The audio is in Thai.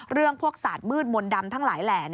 เรื่องพวกศาสตร์มืดมนต์ดำทั้งหลายแหล่